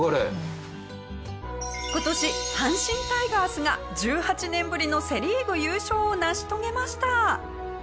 今年阪神タイガースが１８年ぶりのセ・リーグ優勝を成し遂げました。